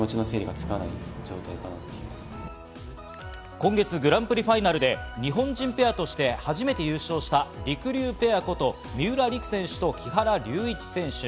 今月、グランプリファイナルで、日本人ペアとして初めて優勝した、りくりゅうペアこと三浦璃来選手と木原龍一選手。